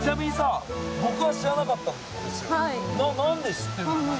何で知ってるの？